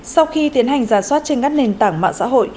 sau khi tiến hành giả sử